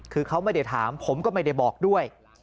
คือเขาไม่ได้ถามผมก็ไม่ได้บอกด้วย